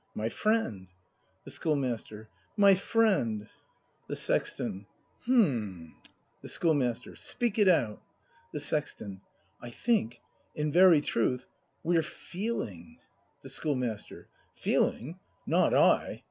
My friend ! The Schoolmaster. My friend ! The Sexton. H'm! ACT V] BRAND 225 The Schoolmaster. Speak it out! The Sexton. I think, in very truth, we're feeHng! The Schoolmaster. Feeling.? Not I!